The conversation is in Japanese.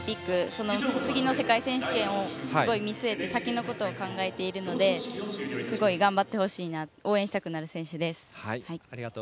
その次の世界選手権を見据えて先のことを考えているのですごい頑張ってほしいなと応援したくなる選手です。